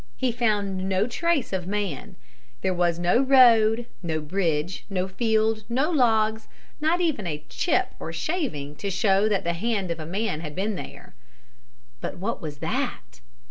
He found no trace of man. There was no road, no bridge, no field, no logs, not even a chip or shaving to show that the hand of man had been there. But what was that?